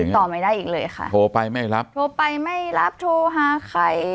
ต่อไม่ได้อีกเลยค่ะโทรไปไม่รับโทรไปไม่รับโทรหาใคร